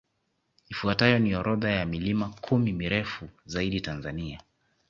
Ifuatayo ni orodha ya milima kumi mirefu zaidi Tanzania